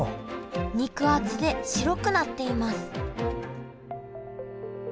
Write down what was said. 肉厚で白くなっています